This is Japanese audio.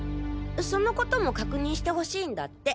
そのことも確認してほしいんだって。